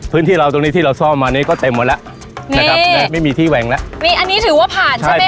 พื้นที่เราตรงนี้ที่เราซ่อมมานี้ก็เต็มหมดแล้วนะครับนะไม่มีที่แหว่งแล้วมีอันนี้ถือว่าผ่านใช่ไหม